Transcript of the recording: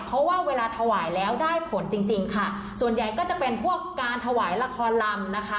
เพราะว่าเวลาถวายแล้วได้ผลจริงจริงค่ะส่วนใหญ่ก็จะเป็นพวกการถวายละครลำนะคะ